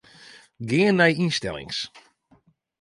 Gean nei ynstellings.